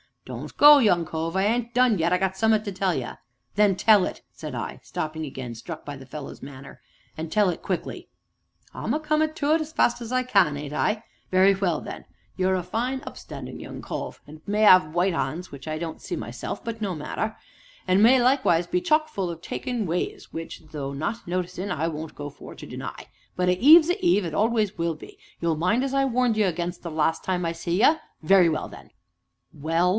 "Don't go, young cove; I ain't done yet, and I got summ'at to tell ye." "Then tell it!" said I, stopping again, struck by the fellow's manner, "and tell it quickly." "I'm a comin' to it as fast as I can, ain't I? Very well then! You're a fine, up standin' young cove, and may 'ave white 'ands (which I don't see myself, but no matter) and may likewise be chock full o' taking ways (which, though not noticin', I won't go for to deny) but a Eve's a Eve, and always will be you'll mind as I warned you again' 'em last time I see ye? very well then!" "Well?"